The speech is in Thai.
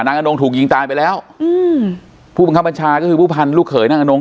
อนงถูกยิงตายไปแล้วอืมผู้บังคับบัญชาก็คือผู้พันธ์ลูกเขยนางอนง